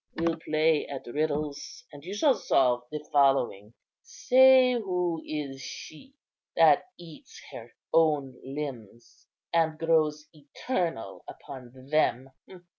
We'll play at riddles, and you shall solve the following:—Say who is she that eats her own limbs, and grows eternal upon them?